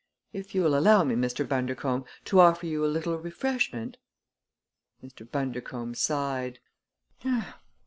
If you will allow me, Mr. Bundercombe, to offer you a little refreshment " Mr. Bundercombe sighed.